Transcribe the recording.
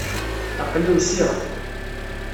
Aql-i usiɣ-d.